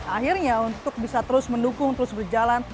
akhirnya untuk bisa terus mendukung terus berjalan